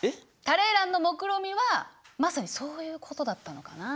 タレーランのもくろみはまさにそういうことだったのかな？